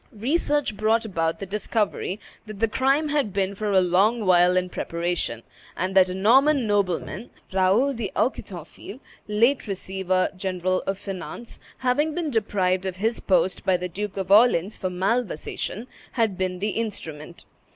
Research brought about the discovery that the crime had been for a long while in preparation, and that a Norman nobleman, Raoul d'Auquetonville, late receiver general of finance, having been deprived of his post by the Duke of Orleans for malversation, had been the instrument.